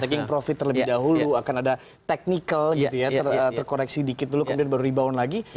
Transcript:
saving profit terlebih dahulu akan ada technical gitu ya terkoreksi dikit dulu kemudian baru rebound lagi